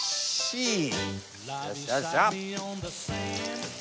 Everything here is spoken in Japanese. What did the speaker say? よっしゃよっしゃ！